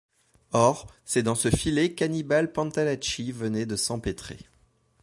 Or, c’est dans ce filet qu’Annibal Pantalacci venait de s’empêtrer.